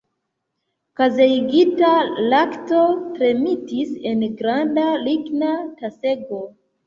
Kazeigita lakto tremetis en granda ligna tasego.